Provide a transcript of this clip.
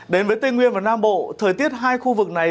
đến với tây nguyên và nam bộ thời tiết hai khu vực này